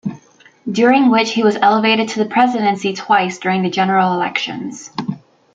During which he was elevated to the presidency twice during the general elections.